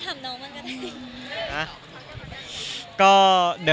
ถำน้องว่าก็ได้